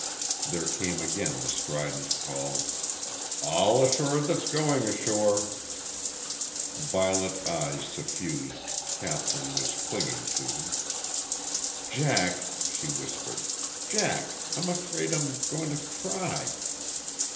There came again the strident call: "All ashore that's going ashor r r r r r r r r e!!!" Violet eyes suffused, Kathryn was clinging to him. "Jack," she whispered. "Jack, I'm afraid I'm going to cry."